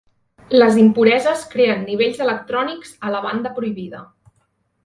Les impureses creen nivells electrònics a la banda prohibida.